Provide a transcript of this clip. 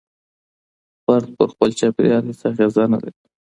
فرد پر خپل چاپېريال هيڅ اغېزه نلري.